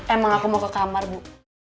emang aku mau ke kamar bu